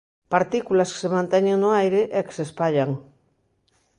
Partículas que se manteñen no aire e que se espallan.